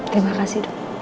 terima kasih dewi